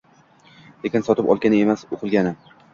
Lekin sotib olgani emas, o`qilgani